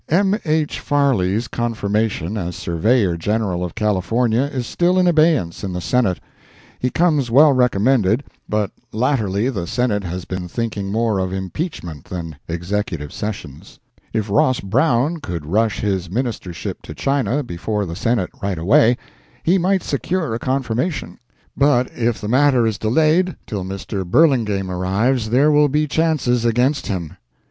M. H. Farley's confirmation as Surveyor General of California is still in abeyance in the Senate. He comes well recommended, but latterly the Senate has been thinking more of impeachment than Executive sessions. If Ross Browne could rush his Ministership to China before the Senate right away, he might secure a confirmation; but if the matter is delayed till Mr. Burlingame arrives there will be chances against him.